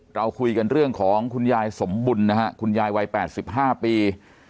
เราคุยกันเรื่องของคุณยายสมบุญนะฮะคุณยายวัย๘๕ปี